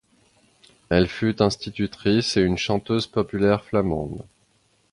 Elle fut institutrice et une chanteuse populaire flamande.